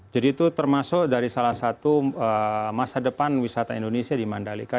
jadi itu termasuk dari salah satu masa depan wisata indonesia di mandalika